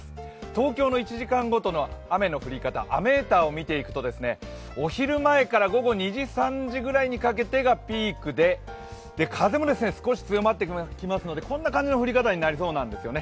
東京の１時間ごとの雨の降り方、雨ーターを見てきますとお昼前から午後２時、３時ぐらいにかけてがピークで風も少し強まってきますので、こんな漢字の降り方になりそうなんですよね